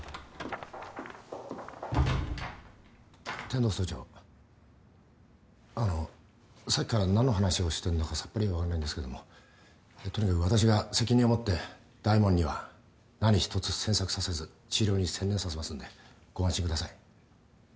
天堂総長あのさっきからなんの話をしてるのかさっぱりわからないんですけどもとにかく私が責任を持って大門には何一つ詮索させず治療に専念させますのでご安心ください。